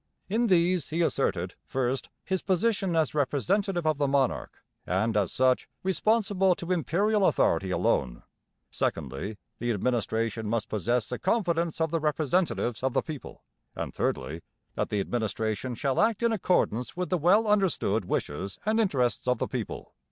In these he asserted: first, his position as representative of the monarch, and, as such, responsible to Imperial authority alone; secondly, the administration must possess the confidence of the representatives of the people; and thirdly, that the administration shall act in accordance with the well understood wishes and interests of the people.